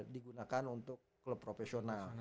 digunakan untuk klub profesional